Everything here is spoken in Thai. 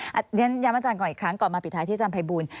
อย่างนั้นยามอาจารย์กลัวอีกครั้งก่อนมาปิดท้ายที่จำภัยบูรณ์